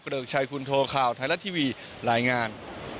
ริกชัยคุณโทข่าวไทยรัฐทีวีรายงาน